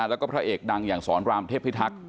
และพระเอกดังอย่างศรราบเมธพิทักษ์